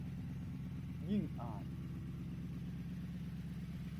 ยิ่งอ่าน